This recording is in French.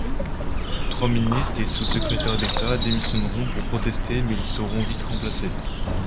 Trois ministres et un sous-secrétaire d'État démissionneront pour protester, mais ils seront vite remplacés.